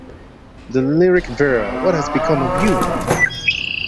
The lyric Vera, what has become of you?